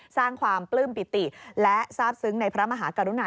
สร้างความปลื้มปิติและทราบซึ้งในพระมหากรุณา